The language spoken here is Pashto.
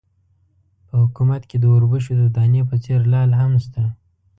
په حکومت کې د اوربشو د دانې په څېر لعل هم شته.